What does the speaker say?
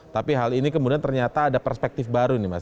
tapi hal ini kemudian ternyata ada perspektif baru nih mas